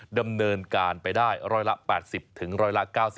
ดำเนินการไปได้ร้อยละ๘๐ถึงร้อยละ๙๐